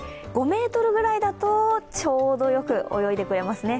５メートルぐらいだとちょうどよく泳いでくれますね。